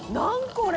これ！」